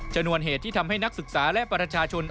ชนวนเหตุที่ทำให้นักศึกษาและประชาชน